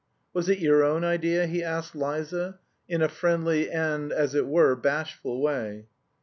"Was it your own idea?" he asked Liza, in a friendly and, as it were, bashful way.